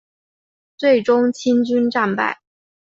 最终清军战败。